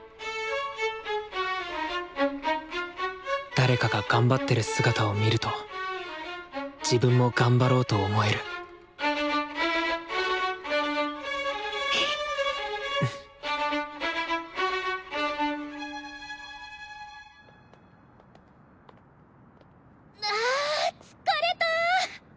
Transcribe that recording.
誰かが頑張ってる姿を見ると自分も頑張ろうと思えるあ疲れた！